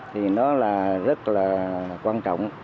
thì nó là rất là quan trọng